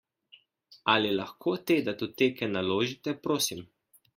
Ali lahko te datoteke naložite, prosim?